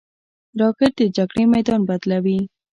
راکټ د جګړې میدان بدلوي